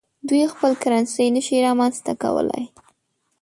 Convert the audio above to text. دوی خپل کرنسي نشي رامنځته کولای.